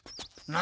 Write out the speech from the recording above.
何！